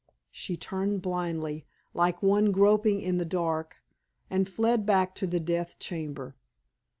She turned blindly, like one groping in the dark, and fled back to the death chamber.